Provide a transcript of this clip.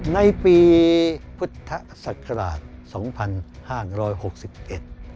ในปีพุทธศักราช๒๕๖๑